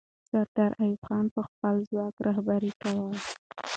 سردار ایوب خان به خپل ځواک رهبري کاوه.